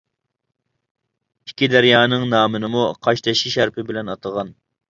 ئىككى دەريانىڭ نامىنىمۇ قاشتېشى شەرىپى بىلەن ئاتىغان.